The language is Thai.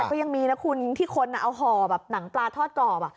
ก็ยังมีนะคุณที่คนเอาห่อแบบหนังปลาทอดกรอบ